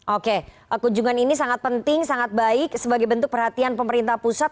oke kunjungan ini sangat penting sangat baik sebagai bentuk perhatian pemerintah pusat